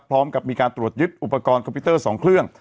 พร้อมกับมีการตรวจยึดอุปกรณ์คอมพิวเตอร์๒เครื่อง